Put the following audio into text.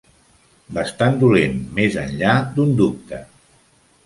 Bastant dolent, més enllà d'un dubte.